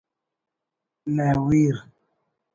نحویر